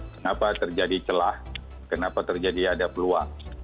kenapa terjadi celah kenapa terjadi ada peluang